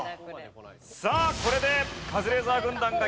さあこれでカズレーザー軍団が逆転でリーチ。